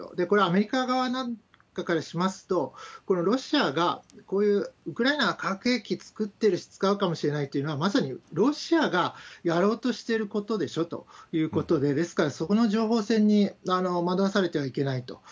これはアメリカ側なんかからしますと、このロシアがこういうウクライナが化学兵器作ってるし、使うかもしれないっていうのは、まさにロシアがやろうとしていることでしょということで、ですから、そこの情報戦に惑わされてはいけないと。